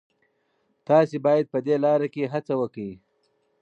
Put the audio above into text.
تاسي باید په دې لاره کي هڅه وکړئ.